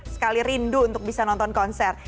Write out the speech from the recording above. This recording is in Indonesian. sekali rindu untuk bisa nonton konser